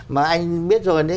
mà anh biết rồi đấy